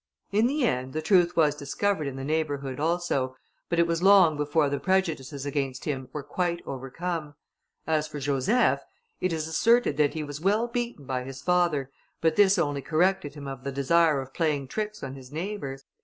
In the end, the truth was discovered in the neighbourhood also, but it was long before the prejudices against him were quite overcome. As for Joseph, it is asserted that he was well beaten by his father, but this only corrected him of the desire of playing tricks on his neighbours.